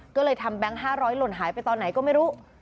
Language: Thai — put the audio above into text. ก็เลยทำแบงค์๕๐๐หล่นหายไปตอนไหนก็ไม่รู้